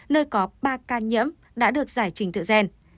nơi có ba ca nhiễm đã được giải trình tự gen